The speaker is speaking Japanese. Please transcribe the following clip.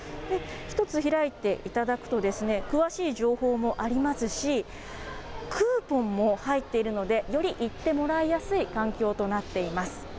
１つ開いていただくと、詳しい情報もありますし、クーポンも入っているので、より行ってもらいやすい環境となっています。